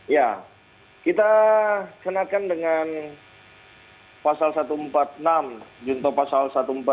ya kita kenakan dengan pasal satu ratus empat puluh enam junto pasal satu ratus empat puluh